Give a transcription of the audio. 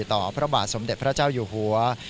พระบาทสมเด็จพระเจ้าอยู่หัว